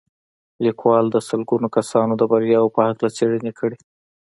لیکوال د سلګونه کسانو د بریاوو په هکله څېړنې کړي